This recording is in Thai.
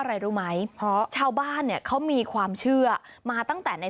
อะไรรู้ไหมเพราะชาวบ้านเนี่ยเขามีความเชื่อมาตั้งแต่ใน